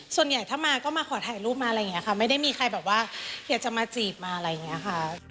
ส่วนใหญ่ถ้ามาก็มาขอถ่ายรูปมาอะไรอย่างนี้ค่ะไม่ได้มีใครแบบว่าอยากจะมาจีบมาอะไรอย่างนี้ค่ะ